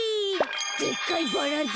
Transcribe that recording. でっかいバラだ。